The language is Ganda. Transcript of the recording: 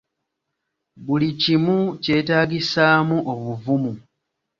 Buli kimu kyetaagisaamu obuvumu.